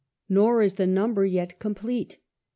Nor is the number yet complete.